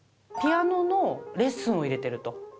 ピアノのレッスンを入れてると。